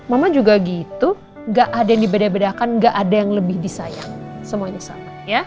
mama juga gitu gak ada yang dibeda bedakan gak ada yang lebih disayang semuanya sama